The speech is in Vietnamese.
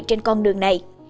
trên con đường này